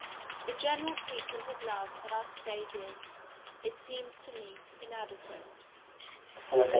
The general treatment of love on our ktagc is, it seems to me, inadeipiate.